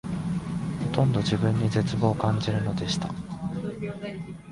ほとんど自分に絶望を感じるのでした